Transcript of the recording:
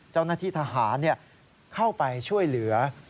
เจ้าหน้าที่ทหารเข้าไปช่วยเหลือ